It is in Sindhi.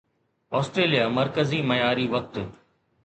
آسٽريليا مرڪزي معياري وقت